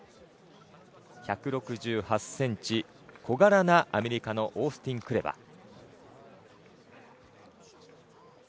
１６８ｃｍ小柄な、アメリカのオースティン・クレバ。